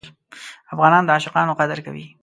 افغانان د عاشقانو قدر کوي.